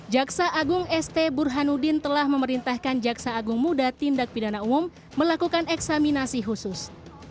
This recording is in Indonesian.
jaksa agung st burhanuddin telah memerintahkan jaksa agung muda tindak pidana umum melakukan eksaminasi khusus